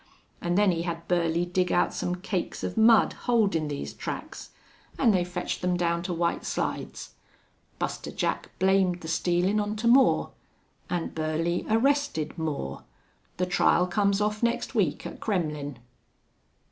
An' then he had Burley dig out some cakes of mud holdin' these tracks, an' they fetched them down to White Slides. Buster Jack blamed the stealin' on to Moore. An' Burley arrested Moore. The trial comes off next week at Kremmlin'."